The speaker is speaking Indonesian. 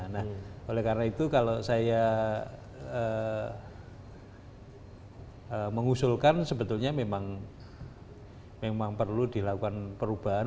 nah oleh karena itu kalau saya mengusulkan sebetulnya memang perlu dilakukan perubahan